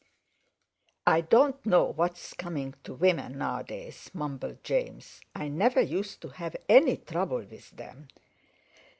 "I don't know what's coming to women nowadays," mumbled James; "I never used to have any trouble with them.